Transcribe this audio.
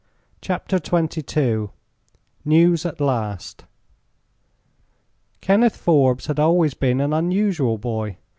CHAPTER XXII NEWS AT LAST Kenneth Forbes had always been an unusual boy.